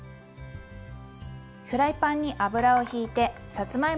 フライパンに油をひいてさつまいもを入れます。